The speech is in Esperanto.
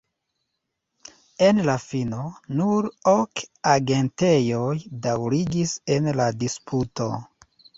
En la fino, nur ok agentejoj daŭrigis en la disputo.